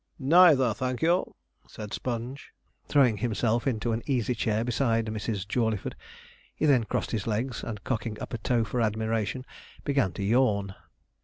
'Neither, thank you,' said Sponge, throwing himself into an easy chair beside Mrs. Jawleyford. He then crossed his legs, and cocking up a toe for admiration, began to yawn.